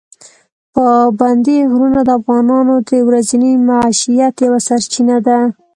پابندي غرونه د افغانانو د ورځني معیشت یوه سرچینه ده.